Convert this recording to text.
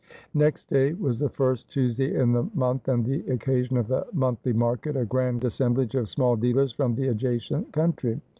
Next day was the first Tuesday in the month, and the occa sion of the monthly market, a grand assemblage of small dealers from the adjacent country.